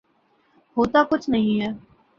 ہوتا کچھ نہیں ہے۔